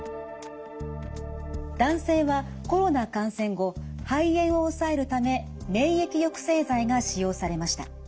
男性はコロナ感染後肺炎を抑えるため免疫抑制剤が使用されました。